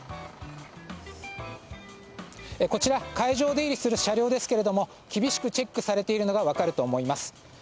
こちら、会場を出入りする車両ですが厳しくチェックされているのが分かると思います。